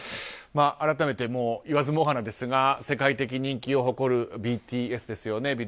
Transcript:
改めて、言わずもがなですが世界的人気を誇るＢＴＳですよね。